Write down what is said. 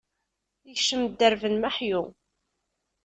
Ikcem dderb n meḥyu.